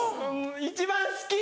一番好き！